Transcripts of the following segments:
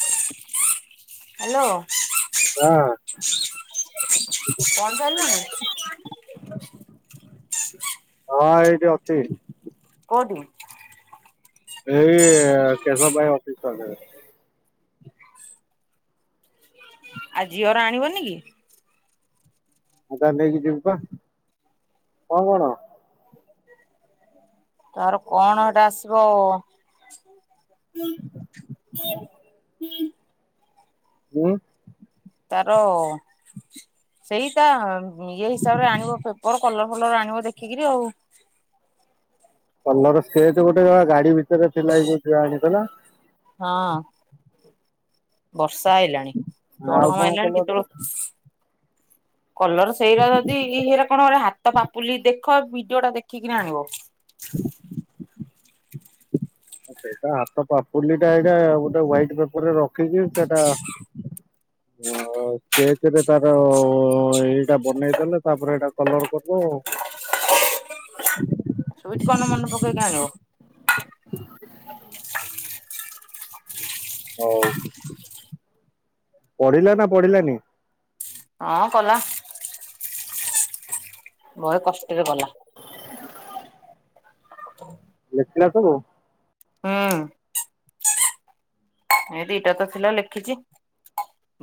Hello. ହଁ ପହଞ୍ଚି ସାଇଲୁଣି? ହଁ ଏଇଟି ଅଛି। କୋଉଠି? ଏଇ କେଶବ ଭାଇ ଅଫିସ୍ ପାଖରେ। ଆ, ଝିଅର ଆଣିବନି କି? ଆଉ ତାର ନେଇକି ଯିବି ପା କଣ କଣ? ତାର କଣ ହେଟା ଆସିବ ହୁଁ ତାର ସେଇ ତା ଇଏ ହିସାବରେ ଆଣିବ ପେପର କଲର ଫଲର ଆଣିବ ଦେଖିକିରି ଆଉ। କଲର ସ୍କେଚ ଗୋଟେ [unintelligible] ଗାଡି ଭିତରେ ଥିଲା ଏଇ କୋଉଠି ଥୁଆ ହେଇଥିଲା। ହଁ ବର ର୍ଷା ଆଇଲାଣି ଆଉ ଚଡକ କଣ ମାଇଲାଣି କଲର କେତେବେଳୁ ନା କଲର ସେଇରା ଯଦି ହେ଼ଇରା କଣ ଏରା ହାତ ପାପୁଲି ଦେଖ ଭିଡିଓଟା ଦେଖିକିନା ଆଣିବ। ହ ଆ ସେଇଟା ହାତ ପାପୁଲିଟା ଏଇଟା ଗୋଟେ ହୁୱାଇଟ୍ ପେପରରେ ରଖିକି ସେଟା ଆଉ ସ୍କେଚରେ ତାର ଅ ଏଇଟା ବନେଇଦଲେ ତାପରେ ଏଇଟା କଲର କରିଦବ ଆଉ। ହ ହୁଁ ମନେ ପକେଇକି ଆଣିବ ହଉ ପଢିଲା ନା ପଢିଲାନି? ହଁ କଲା। ବହେ କଷ୍ଟରେ କଲା। ହ ଥିଲା ସବୁ। ହୁଁ। ଏଇ ଦିଟା ତ ଥିଲା ଲେଖିଛି।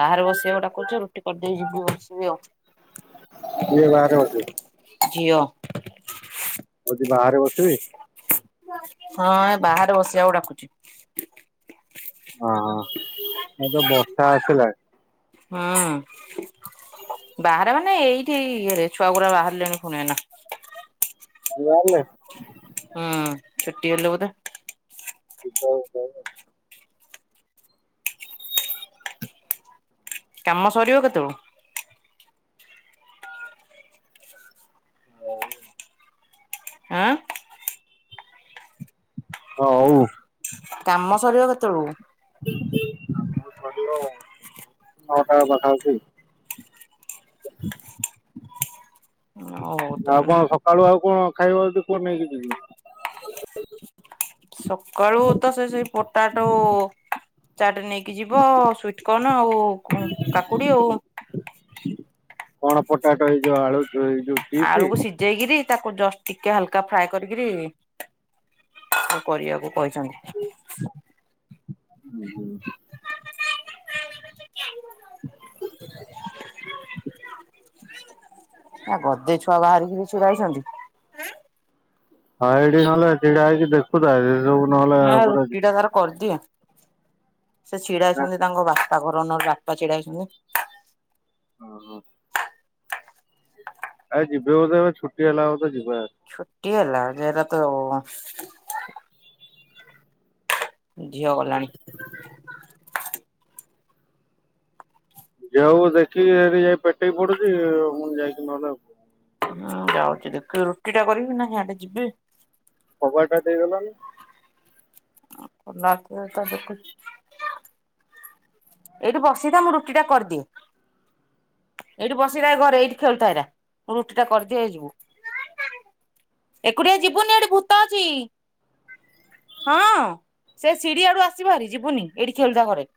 ବାହାରେ ବସିବାକୁ ଡାକୁଛି ରୁଟି କରିଦେଇ ଯିବି ବସିବି ଆଉ। କିଏ ବାହାରେ ବସିବ? ଝିଅ ହଉଚି ବାହାରେ ବସିବି ହଁ ଏ ବାହାରେ ବସିବାକୁ ଡାକୁଛି। ହଁ ହଁ ଏବେ ବର୍ଷା ଆସିଲାଣି। ହଁ ବାହାର ମାନେ ଏଇଠି ଇଏ ରେ ଛୁଆ ଗୁରା ବାହାରିଲେଣି ଫୁଣି ଏଇନା। ପିଲା ବାହାରିଲେ? ହୁଁ ଛୁଟି ହେଲେ ବୋଧେ କାମ ସରିଅ କେତେବେଳୁକୁ? ହଉ। ଆଁ! ହ ହଉ। କାମ ସରିବ କେତେବେଳକୁ? କାମ ସରିବ ନଅଟା ପାଖ ପାଖି। ହଉ ଆଉ ତାହେଲେ କଣ ସକାଳୁ ଆଉ କଣ ଖାଇବ ଯଦି କୁହ ନେଇକି ଯିବି। ସକାଳୁ ତ ସେ ସେଇ ପୋଟାଟୋ ଚାଟ ନେଇ କି ଯିବ ସୁଇଟ କର୍ନ ଆଉ କୁ କାକୁଡି ଆଉ। କଣ ପଟାଟୋ ଏଇ ଯୋଉ ଆଳୁ ଏଇ ଯୋଉ ଚିପ୍ସ ଆଳୁକୁ ସିଜେଇକିରି ତାକୁ ଜଷ୍ଟ ଟିକେ ହାଲକା ଫ୍ରାଏ କରିକିରି ତାକୁ କରିବାକୁ କହିଛନ୍ତି। ଆ ଗଦେ ଛୁଆ ବାହାରିକିରି ଛିଡ଼ାହେଇଛନ୍ତି। ହଁ ଏଇଠି ନହେଲେ ଛିଡା ହେଇକି ଦେଖୁଥା ସେ ସବୁ ନହେଲେ ଆ ଗୋଟେ। ରୁଟି ଟା ତାର କରିଦିଏ ସେ ଛିଡା ନା ହେଇଛନ୍ତି ତାଙ୍କ ବାପା କରରଣର ବାପା ଛିଡା ହେଇଛନ୍ତି। ଓହୋ। ଆ ଯିବେ ବୋଧେ ଏବେ ଛୁଟି ହେଲା ହଉ ତ ଯିବା ଆ। ଛୁଟିିଲା ଯେ ଏଟ ତ ଝିଅ ଗଲାଣି। ଯଉ ଦେଖିକି ସେଠି ଯାଇ ପେଟେଇ ପଡୁଛି ମୁଁ ଯାଇକି ନହେଲେ ଆ। ହୁଁ ଯାଉଛି ଦେଖୁ ରୁଟି ଟା କରିବି ନା ହି ଆଡ଼େ ଯିବି। ପବାଟା ଦେଇ ଦେଲନି। ରାତି ତା ଦେଖୁଛି। ଏଇଠି ବସିଥା ମୁଁ ରୁଟି ଟା କରିଦିଏ। ଏଇଠି ବସିଥାଏ ଘରେ ଏଇଠି ଖେଳୁଥାଏରା ରୁଟି ଟା କରିଦିଏ ଯିବୁ। ଏକୁଟିଆ ଯିବୁନି ଏଠି ଭୂତ ଅଛି। ହଁ ସେ ସିଢ଼ି ଆଡୁ ଆସିବାରି ଯିବୁନି ଏଇଠି ଖେଳଦ ଘରେ।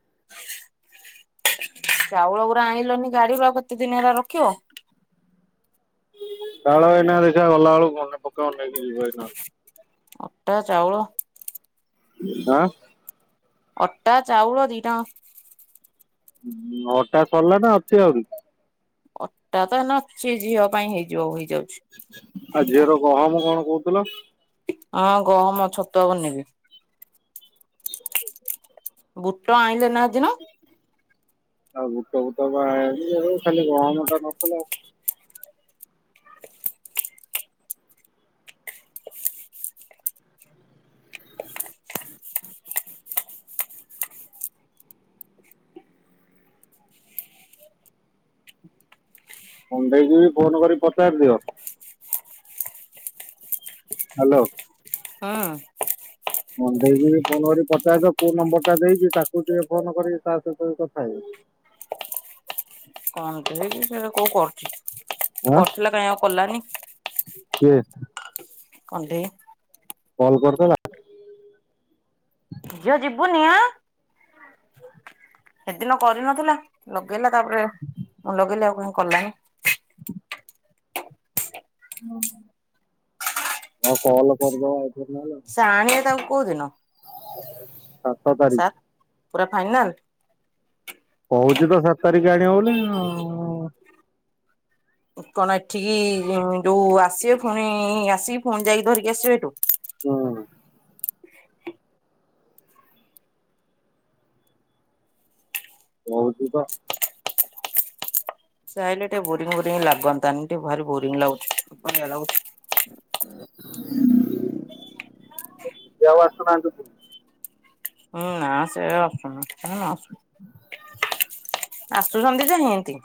[unintelligible] ଚାଉଳ ଗୁଡା ଆଣିଲନି ଗାଡି ଗା କେତେ ଦିନ ହେଲା ରଖିବ। ତାଳନା ଦେ ଗଲାବେେଳକୁେ ପକା ନେଇକି ଯିବ ଏଇ ଅଟା ଚାଉଳ। ଆଁ ଅଟା ଚାଉଳ ଦି ଟାଙ୍କ। ଅଟା ସରିଲା ନା ଅଛି ଆହୁରି। ଅଟା ତ ନଛି ଝିଅ ପାଇଁ ହେଇଯିବ ହୋଇ ଆଉ ଝିଅର ଗହମ କଣ କହୁଥିଲ। ହଁ ଗହମ ଛତୁଆ ବନେଇବି। ବୁଟ ଆଇଁଲ ନା ହେଦିନ। ଆଉ ବୁଟ ବୁଟ ବା ଆଉ ଖାଲି ଗହମତା ନଥିଲା ଆଉ। ମୁଣ୍ଡେଇକିବି ଫୋନ କରିି ପଚାରି ଦିଅ। ହାଲୋ। ହୁଁ ହ ଦେଇକି ଫୋନ କର ପଠେଇଦ କୋଉ ନମ୍ବର ଟା ଦେଇକି ତାକୁ ଟିକେ ଫୋନ କରିକି ତା ସହିତ କଥା ହେବ। [inaudible] କଣ୍ଢେଇ ସେ କୋଉ କରୁଛି ସେ ହଁ କରୁଥିଲା କାହିଁ ଆଉ କାଇଁ କଲାନି। କିଏ? କଣ୍ଢେଇ। କଲ୍ କର୍ଦବା। ଝିଅ ଯିବୁନି ଆ ହେଦିନ କରିନଥିଲା ଲଗ୍ ଲଗେଇଲା ତାପରେ ଲଗେଇଲେ ଆଉ କହିଁ କଲାନି। ହ ଆ କଲ୍ କରିଦବା ଆ ସା ଆଣିବା ତାକୁ କୋଉଦିନ? ସାତ ତାରିଖ୍ ପୁରା ଫାଇନାଲ୍। ହଉଛି ତ ସାତ ତାରିଖ୍ ଆଣିବ ବୋଲି ଆ କଣ ଏଠିକି ଯୋଉ ଆସିବେ ପୁଣି ଆସିକି ପୁଣି ଯାଇକି ଧରିକି ଆସିବେ ଏଠୁ। ହୁଁ। ହଉଛି ତ। ସିଏ ଆଇଲେ ଟିକେ ବୋରିଙ୍ଗ୍ ବୋରିଙ୍ଗ୍ ଲାଗନ୍ତାାନି ଟିକେ ଭାରି ବୋରିଂ ଲାଗୁଛି ଅବାଗିଆ ଲାଗୁଛି। [unintelligible] ସିଏ ଆଉ ଆସୁନାହାନ୍ତି ଏଠିକି। ହୁଁ ନା ସେ ଆସୁ କ ନ ଆସନ୍ତୁ। ଆସୁଛନ୍ତି ଯେ ଏନ୍। ତି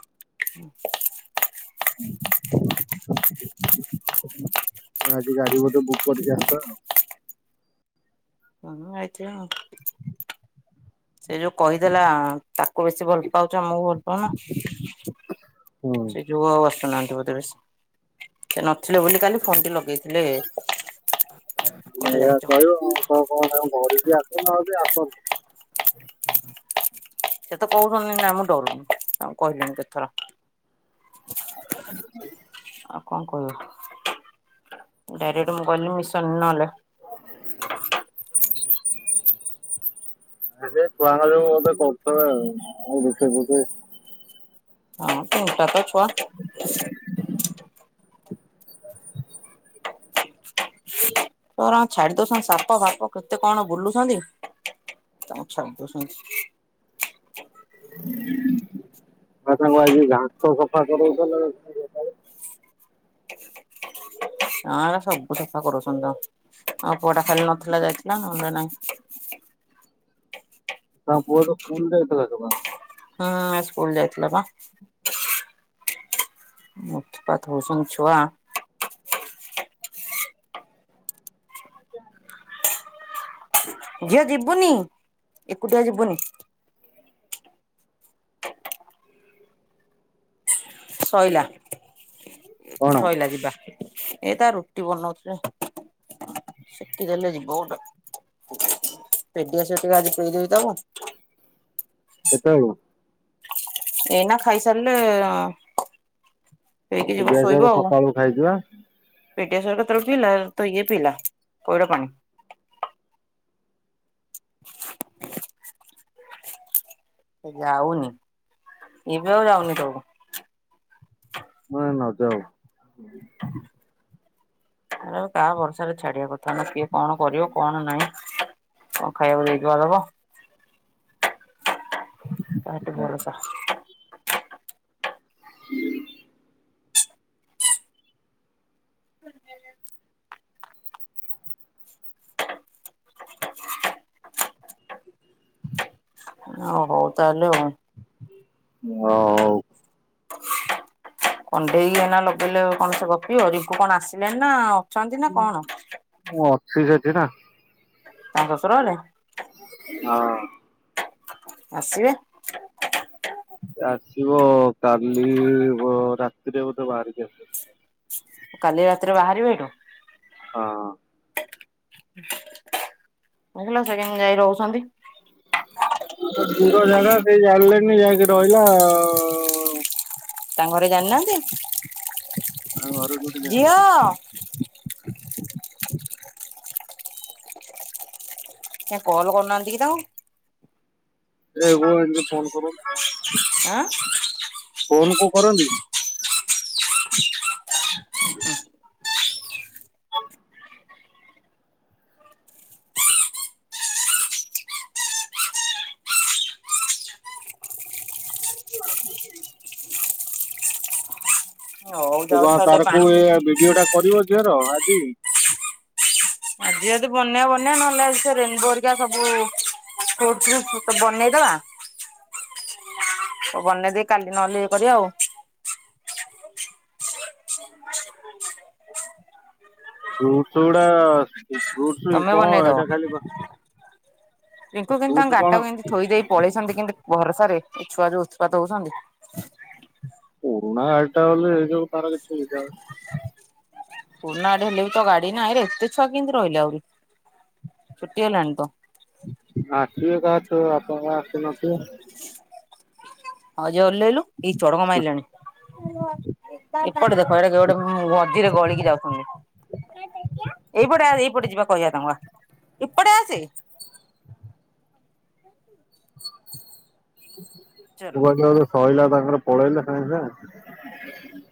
[inaudible] ଆଜି ଗାଡି ଗୋଚେ ବୁକ୍ କରିକି ଆସିଥା ଆଉ। ହୁ ଆଇଥିବେ ଆଉ ସେ ଯୋଉ କହିଦେଲା ତାକୁ ବେଶୀ ଭଲ ପାଉଛ ଆମକୁ ଭଲ ପାଉଁନସେ ଯୋଉ ଆଉ ଆସୁନାହାନ୍ତି। ସେ ନଥିଲେ ବୋଲି କାଲି ଫୋନ ଟି ଲଗେଇଛି କୁଆଡେ ଏହା ଯାଇଛ ବୋଲି। କହିବ ମୁ କଣ କଣ ଘର ବି ଆସନ୍ତୁ ଆଉ ବି ଆସନ୍ତୁ। ସେ ତ କହୁଛନ୍ତି ନା ଆ ମୁଁ ଡରୁନି ଆ କହିଲନି କେଥର [inaudible] ଆଉ କଣ କହିବ ଡାଇରେକ୍ଟ ମୁଁ କହିଲି ମିଶନି ନହେଲେ [inaudible] ଆରେ ଛୁଆଙ୍କ ଯୋଗୁ ମୁ ତ କତବ୍ [unintelligible] ଦୂଖେ ସୁଖେ ନ [unintelligible] ଟା ତ ଛୁଆ ତୋର ଆଉ ଛାଡି ଦଉସନ୍ ସାପ ଫାପ କେତେ କଣ ବୁଲୁଛନ୍ତି? ତମ ଛାଡିଦିଅ ସେମିତି ଆ ତାଙ୍କୁ ଆଜି ଦାନ୍ତ ସଫା କରେଇବେ ହଁ ହେରା ସବୁ ସଫା କରୁଛନ ତ ଆଉ ପୁଆ ଟା ଖାଲି ନଥିଲା ଯାଇଥିଲା ନ ନାଇ [unintelligible] ି ତା ପୁଅ ତ ସ୍କୁଲ ଯାଇଥିଲା ସକାଳେ ହୁଁ ଆ ସ୍କୁଲ ଯାଇଥିଲା ପା ମୁତୁପାତ ହଉଛନ୍ତି ଛୁଆ ଝିଅ ଯିବୁନି ଏକୁଟିଆ ଯିବୁନି ଶଇଲା କଣ ଶଇଲା ଯିବା ଏ ତା ରୁଟି ବନଉଥିଲି ସେକିଦେଲେ ଯିବ ଗୋଟେ ପେଡି ଆସିବ ଟିକେ ଆଜି ପୁରେଇ ଦବୁକି ତାର କେତଳେ ଏନା ଖାଇସାରିଲେ ଉ ଏଇକି ଯିବ ଦିଦି ଶୋଇବ ଆସିବାର ଆଉ ସକାଳୁ ଖାଇଛି ବା ପେଟିଆ ସର କେତେବେଳେ ପିଇଲା ତ ଇଏ ପିଇଲା ପଇଡ ପାଣି। [inaudible] ସେ ଯାଉନି ଏବେ ଆଉ ଯାଉନି ତଳକୁ ହ ନ ଯାଉ ଆରେ ତା ବର୍ଷାରେ ଛାଡିବା କଥା ନୁହେଁ କିଏ କଣ କରିବ କଣ ନାହିଁ କଣ ଖାଇବାକୁ ଦେଇକି ବା ଦବ ତାଠ ଭରସା ହୁଁ ଆଉ ହଉ ତାହେଲେ ହଉ ହଉ କଣ୍ଢେଇକି ହେନା ଲଗେଇଲେ କଣ ସେ ଗପିଅ ରିକୁ କଣ ଆସିଲେନି ନା ଅଛନ୍ତି ନା ହୁ କଣ ମୁଁ ଅଛି ସେଠି ନା ତାକ ଶଶୁର ହରେ ହଁ ଆସିବେ ସେ ଆସିବ କାଲି ଭୋ ରାତିରେ ବୋଧେ ବାହାରିକି ଆସିବ। କାଲି ରାତିରେ ବାହାରିବେ ହେଟୁ ହଁ ଦେଖିଲୁ ସେ ଯାଏ ଯାଇ ରହୁଛନ୍ତି। ସିଏ ଯାଇକି ରହିଲା ଆଉ ତାଙ୍କ ଘରେ ଜାଣିନାହାନ୍ତି ଆ ଘର କୁଟି ଯା ଯିବ ଝିଅ କାଇଁ କଲ କରୁନାହାନ୍ତି କି ତାଙ୍କର ଏ ହୁଁ ଏମିତି ଫୋନ କରୁନୁ। ଆଁ? ଫୋନକୁ କରନ୍ତି। [inaudible] ଆଁ ହଉ କଣ ଯାଉଛି ତା ଟିକେ ତାରକୁ ପାଣି ପିଇବି। ଏ ଭିଡିଓ ଟା କରିବ ଝିଅର ଆଜି। ଆଜି ଯଦି ବନିଆ ବନିଆ ନହେଲେ ସେ ରେନବୋ ହେରିକା ସବୁ ତୋଠୁ ଛୋଟ ବନେଇଦବା। ହଉ ବନେଇ ଦେଇ କାଲି ନହେଲେ ଇଏ କରିବା ଆଉ। ଫୁଡସ ଗୁଡା ଫୁଡସ ଇଏ ତମେ କଣ ବନେଇଦବ। ଏଇଟା ଖାଲି। ରିଙ୍କୁ କିଇନ୍ତି ଫ୍ରୁଟସ ତାଙ୍କ କଣ ଗାଟାକୁ କେମତି ଥୋଇ ଦେଇ ପଳେଇଛନ୍ତି କିଇନ୍ତି। ବରସାରେ ଏ ଛୁଆ ଯୋଉ ଉତ୍ପାତ ହଉଛନ୍ତି। ପୂରୁଣା ଏଟା ହେଲେ ଏ ତାର [unintelligible] ପୁରୁଣା ଗାଡ଼ି ହେଲେ ବି ତ ଗାଡି ନାହିଁରେ। ଏତେ ଛୁଆ କେମତି ରହିଲେ ଆହୁରି। ଛୁଟି ହେଲାଣିତ। ଆସିବେ [unintelligible] ଆପଣଙ୍କର ଆସିନଥିବେ? ଓଲହେଇଲୁ ଏଇ ଚଡକ ମାଇଲାଣି। ଏପଟେ ଦେଖ ଏଟା କି ଗୋଟେ ମଝିରେ ଗଳିକି ଯାଉଛନ୍ତି। ଏଇପଟେ ଆ ଏଇପଟେ ଯିବା କହିବା ତାଙ୍କୁ ଆ ଏପଟେ ଆସେ। [inaudible] ଚଲୋ ମୁଁ କହିଲି ତାଙ୍କର ସଇଲା ତାଙ୍କର ପଳେଇଲେ ସାଙ୍ଗେ ସାଙ୍ଗେ।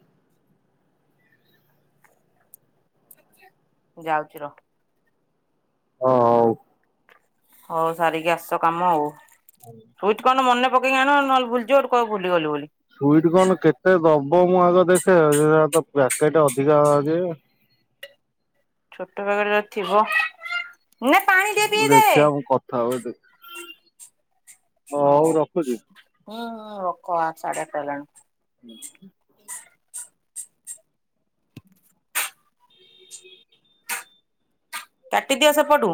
ଯାଉଚି ର। ହଉ। ହଉ ସାରିକି ଆସ କାମ ଆଉ ସୁଇଟି କରନ ମନେ ପକେଇକି ଆଣ ନହେଲେ ଭୁଲଯିବ ହେଟୁ କହିବ ଭୁଲିଗଲି ବୋଲି। ସୁଇଟ କନ କେତେ ଦବ ମୁଁ ଆଗ ଦେଖେ ହେରାତ ପାକେଟ ଅଧିକା ଯେ। ଛୋଟ ପାକେଟେ ଯଦି ଥିବ। ନେ ପାଣି ଟିକେ ପିଇ ଦେ। ଦେଖିବା ମୁଁ କଥା ହୁଏ ଦେଖ ହଉ ରଖୁଛି। ହୁଁ ହୁଁ ରକ ଆ ସାଢେ ଆଠଟା ହେଲାଣି। ହୁଁ ହୁଁ। କାଟିଦିଅ ସେପଟୁ।